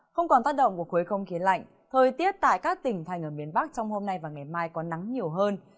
không còn tác động của khối không khí lạnh thời tiết tại các tỉnh thành ở miền bắc trong hôm nay và ngày mai có nắng nhiều hơn